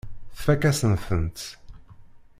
Tfakk-asen-tent.